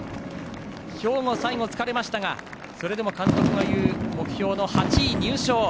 兵庫、最後疲れましたがそれでも監督が言う目標の８位入賞。